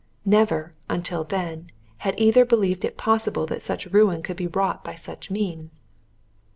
Never, until then, had either believed it possible that such ruin could be wrought by such means.